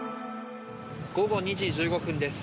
午後２時１５分です。